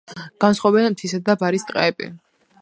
განსხვავებენ მთისა და ბარის ტყეები.